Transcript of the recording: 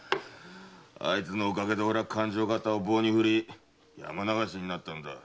あいつのおかげで俺は勘定方を棒に振り山流しになったのだ。